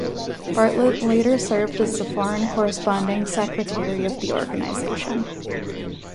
Bartlett later served as the Foreign Corresponding Secretary of the organization.